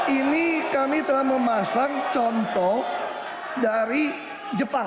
ini kami telah memasang contoh dari jepang